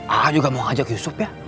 ah ate juga mau ajak yusuf ya